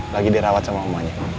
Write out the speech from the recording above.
lagi dirawat sama omonya